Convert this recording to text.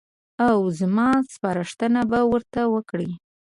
او زما سپارښتنه به ورته وکړي.